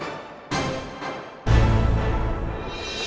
kalau sampai kamu menyingkari janji kamu